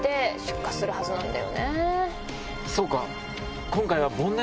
そうか！